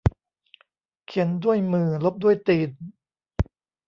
เขียนด้วยมือลบด้วยตีน